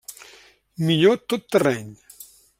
Millor tot terreny.